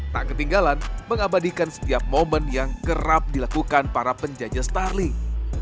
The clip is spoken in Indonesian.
tak ketinggalan mengabadikan setiap momen yang kerap dilakukan para penjajah starling